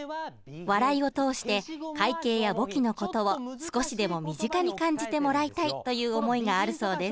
笑いを通して会計や簿記の事を少しでも身近に感じてもらいたいという思いがあるそうです。